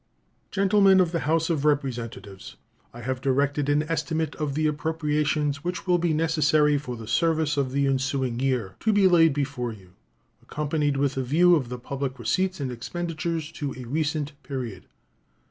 Gentlemen of the House of Representatives: I have directed an estimate of the appropriations which will be necessary for the service of the ensuing year to be laid before you, accompanied with a view of the public receipts and expenditures to a recent period.